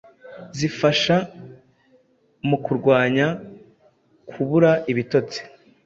zifasha mu kurwanya kubura ibitotsi